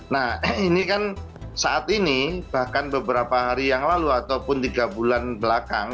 nah ini kan saat ini bahkan beberapa hari yang lalu ataupun tiga bulan belakang